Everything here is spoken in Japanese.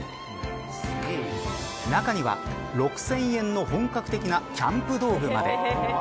中には６０００円の本格的なキャンプ道具まで。